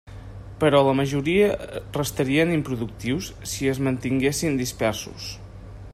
Però la majoria restarien improductius si es mantinguessin dispersos.